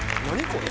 これ。